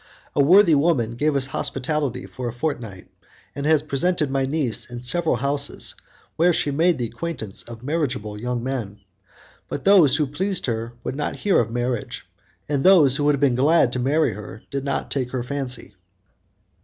A worthy woman gave us hospitality for a fortnight, and has presented my niece in several houses where she made the acquaintance of marriageable young men, but those who pleased her would not hear of marriage, and those who would have been glad to marry her did not take her fancy."